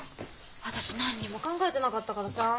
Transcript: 私何にも考えてなかったからさ。